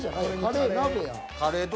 カレー鍋や。